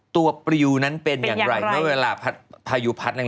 ตัวปริวนั้นเป็นอย่างไรเพราะเวลาพายุพัดแรง